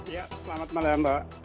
ya selamat malam mbak